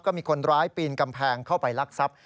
ก็มีคนร้ายปีนกำแพงเข้าไปลักทรัพย์